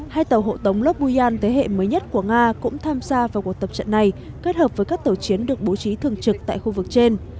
hai tàu hộ tống lobuyan thế hệ mới nhất của nga cũng tham gia vào cuộc tập trận này kết hợp với các tàu chiến được bố trí thường trực tại khu vực trên